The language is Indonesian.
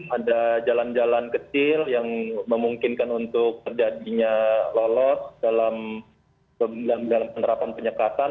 ada jalan jalan kecil yang memungkinkan untuk terjadinya lolos dalam penerapan penyekatan